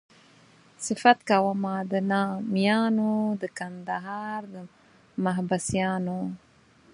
صفت کومه د نامیانو د کندهار د محبسیانو.